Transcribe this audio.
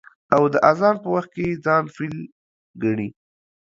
او د اذان په وخت کې ځان فيل گڼي.